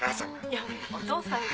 いやお父さんが。